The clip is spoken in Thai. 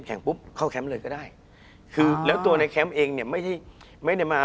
คุณผู้ชมบางท่าอาจจะไม่เข้าใจที่พิเตียร์สาร